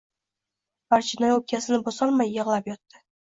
Barchinoy o‘pkasini bosolmay yig‘lab yotdi.